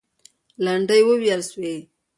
لنډۍ وویل سوې.